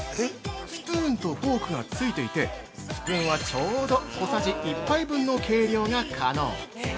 スプーンとフォークがついていてスプーンはちょうど小さじ１杯分の計量が可能。